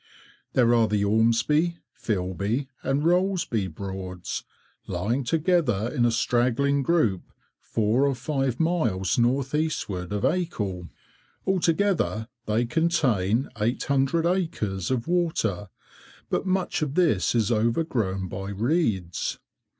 There are the Ormesby, Filby and Rollesby Broads, lying together in a straggling group four or five miles north eastward of Acle. Altogether, they contain 800 acres of water, but much of this is overgrown by reeds.